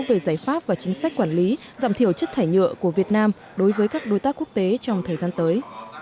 về giải pháp và chính sách quản lý giảm thiểu chất thải nhựa của việt nam đối với các đối tác quốc tế trong thời gian tới